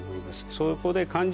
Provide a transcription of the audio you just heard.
そこで。